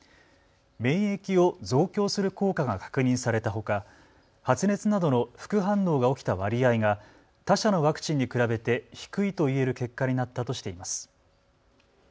免疫を増強する効果が確認されたほか発熱などの副反応が起きた割合が他社のワクチンに比べて低いといえる結果になったとしています。